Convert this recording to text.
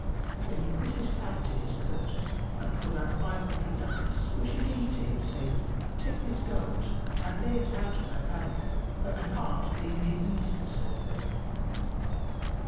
Then he put his hand to his purse and pulled out five hundred ducats, which he gave to him saying, "Take this gold and lay it out on thy family, that thy heart may be at ease concerning them."